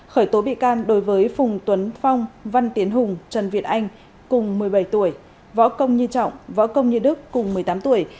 khởi tố bị can đối với phùng tuấn phong văn tiến hùng trần việt anh cùng một mươi bảy tuổi võ công như trọng võ công như đức cùng một mươi tám tuổi